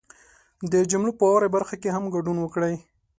د جملو په واورئ برخه کې هم ګډون وکړئ